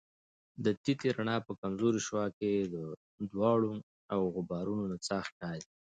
د تتي رڼا په کمزورې شعاع کې د دوړو او غبارونو نڅا ښکاري.